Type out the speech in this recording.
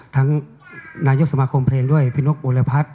นายกสมาคมเพลงด้วยพี่นกบุรพัฒน์